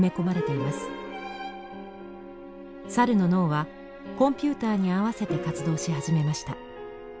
サルの脳はコンピューターに合わせて活動し始めました。